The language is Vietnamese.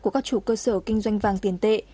của các chủ cơ sở kinh doanh vàng tiền tệ